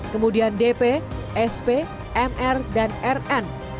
kemudian dp sp mr dan rn